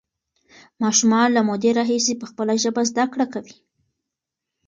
ماشومان له مودې راهیسې په خپله ژبه زده کړه کوي.